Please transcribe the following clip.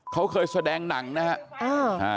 เขาเคยแสดงหนังนะฮะ